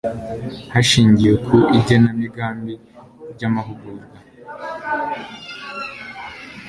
hashingiwe ku igenamigambi ry amahugurwa